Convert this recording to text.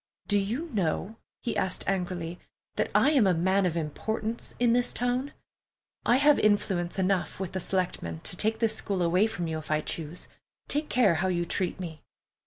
"Do you know," he asked angrily, "that I am a man of importance in this town? I have influence enough with the selectmen to take this school away from you if I choose. Take care how you treat me!"